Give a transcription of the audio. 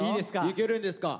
いけるんですか？